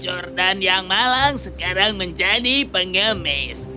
jordan yang malang sekarang menjadi pengemis